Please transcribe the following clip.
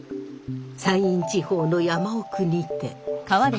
山陰地方の山奥にて。